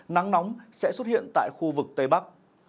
nắng nóng sẽ xuất hiện tại khu vực tây bắc